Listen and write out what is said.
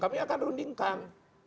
kami akan berundingkan